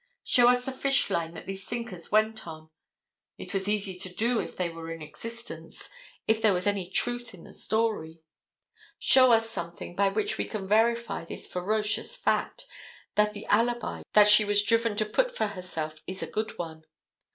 Show us the fish line that these sinkers went on. It was easy to do if they were in existence, if there was any truth in the story. Show us something by which we can verify this ferocious fact, that the alibi she was driven to put for herself is a good one.